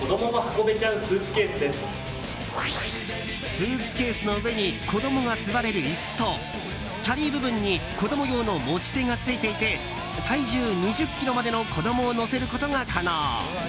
スーツケースの上に子供が座れる椅子とキャリー部分に子供用の持ち手がついていて体重２０ｋｇまでの子供を乗せることが可能。